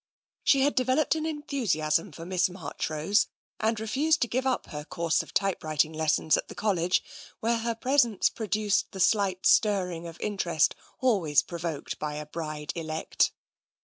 She had developed an enthusiasm for Miss Marchrose, and refused to give up her course of typewriting les sons at the College, where her presence produced the slight stirring of interest always provoked by a bride elect.